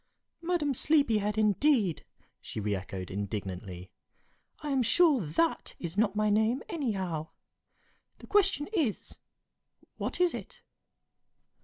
"Madam Sleepyhead, indeed!" she re echoed, indignantly. "I am sure that is not my name, anyhow. The question is, What is it?"